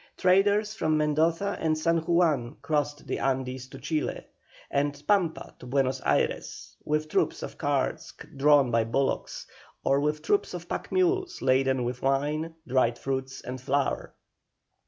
Traders from Mendoza and San Juan crossed the Andes to Chile, and the Pampa to Buenos Ayres, with troops of carts drawn by bullocks, or with troops of pack mules, laden with wine, dried fruits, and flour.